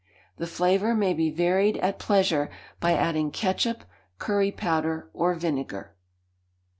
The flavour may be varied at pleasure by adding ketchup, curry powder, or vinegar.